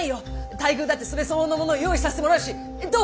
待遇だってそれ相応のものを用意させてもらうしどう？